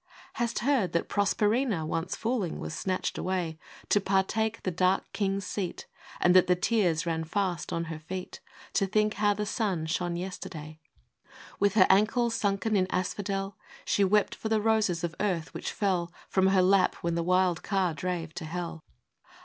iv. Hast heard that Proserpina (Once fooling) was snatched away, To partake the dark king's seat, And that the tears ran fast on her feet, To think how the sun shone yesterday? With her ankles sunken in asphodel, She wept for the roses of earth, which fell From her lap when the wild car drave to hell.